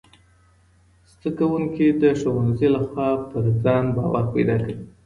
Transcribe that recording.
زدهکوونکي د ښوونځي له خوا پر ځان باور پیدا کوي.